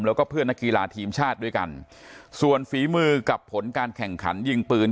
แล้วก็เพื่อนนักกีฬาทีมชาติด้วยกันส่วนฝีมือกับผลการแข่งขันยิงปืน